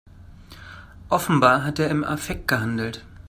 Offenbar hat er im Affekt gehandelt.